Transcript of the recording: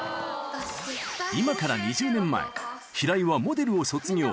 今から２０年前、平井はモデルを卒業。